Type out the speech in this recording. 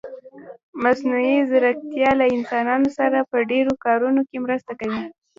مصنوعي ځيرکتيا له انسانانو سره په ډېرو کارونه کې مرسته کوي.